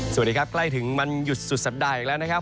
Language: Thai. สวัสดีครับใกล้ถึงวันหยุดสุดสัปดาห์อีกแล้วนะครับ